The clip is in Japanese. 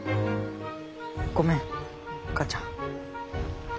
ごめん母ちゃん。